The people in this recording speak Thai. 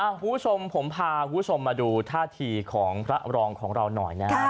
คุณผู้ชมผมพาคุณผู้ชมมาดูท่าทีของพระรองของเราหน่อยนะครับ